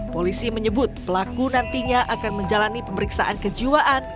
polisi menyebut pelaku nantinya akan menjalani pemeriksaan kejiwaan